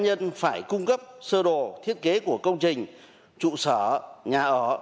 nhân phải cung cấp sơ đồ thiết kế của công trình trụ sở nhà ở